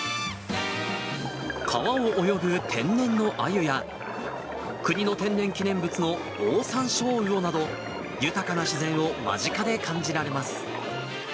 川を泳ぐ天然のあゆや、国の天然記念物のオオサンショウウオなど、豊かな自然を間近で感じられます。